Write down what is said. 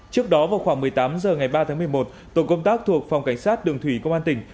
trước đó vào khoảng một mươi tám h ngày ba tháng một mươi một tổ công tác thuộc phòng cảnh sát đường thủy công an tỉnh